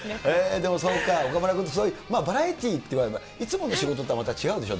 でもそうか、岡村君とそういう、バラエティーって、いつもの仕事とは違うでしょ？